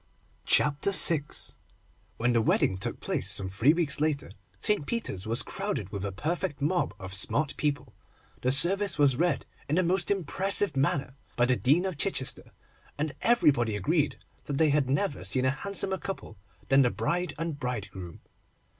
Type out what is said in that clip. CHAPTER VI WHEN the wedding took place, some three weeks later, St. Peter's was crowded with a perfect mob of smart people. The service was read in the most impressive manner by the Dean of Chichester, and everybody agreed that they had never seen a handsomer couple than the bride and bridegroom.